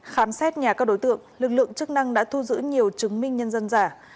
khám xét nhà các đối tượng lực lượng chức năng đã thu giữ nhiều chứng minh nhân dân giả